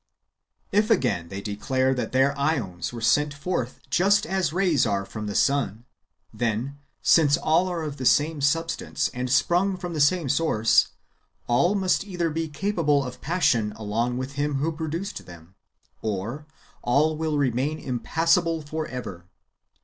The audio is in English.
If, again, they declare that their ^ons were sent forth just as rays are from the sun, then, since all are of the same substance and sprung from the same source, all must either be capable of passion along with Him who produced them, or all will remain impassible for ever.